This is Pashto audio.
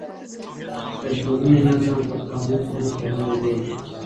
د ټولني نظم په قانون پورې تړلی دی.